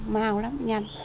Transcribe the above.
mau lắm nhanh